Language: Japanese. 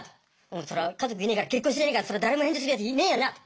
そら家族いねぇから結婚してねぇからそら誰も返事するやついねぇよな！